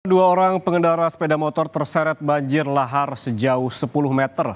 dua orang pengendara sepeda motor terseret banjir lahar sejauh sepuluh meter